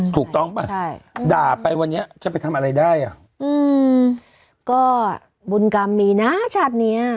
ถูกต้องป่ะใช่ด่าไปวันนี้จะไปทำอะไรได้อ่ะอืมก็บุญกรรมมีนะชาติเนี้ย